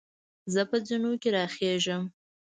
زۀ په زینو کې راخېږم.